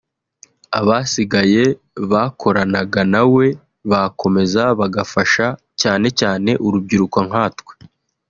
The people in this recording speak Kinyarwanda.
abasigaye bakoranaga na we bakomeza bagafasha cyane cyane urubyiruko nkatwe